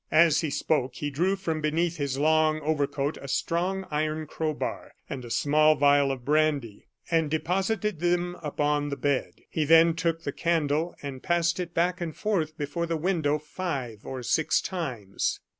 As he spoke he drew from beneath his long overcoat a strong iron crowbar and a small vial of brandy, and deposited them upon the bed. He then took the candle and passed it back and forth before the window five or six times.